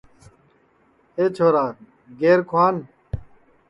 اے چھورا گیر کُھوان